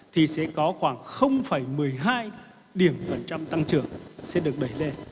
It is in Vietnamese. thì sẽ có khoảng một mươi hai điểm phần trăm tăng trưởng sẽ được đẩy lên